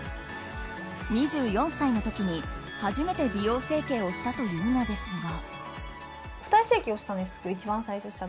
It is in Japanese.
２４歳の時に初めて美容整形をしたというのですが。